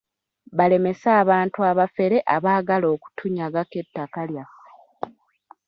Balemese abantu abafere abaagala okutunyagako ettaka lyaffe.